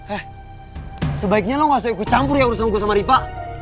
eh sebaiknya lo gak usah ikut campur ya urusan gue sama riva